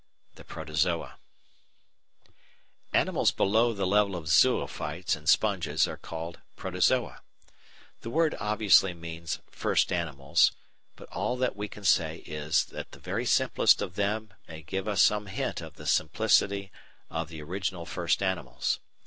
The Protozoa Animals below the level of zoophytes and sponges are called Protozoa. The word obviously means "First Animals," but all that we can say is that the very simplest of them may give us some hint of the simplicity of the original first animals.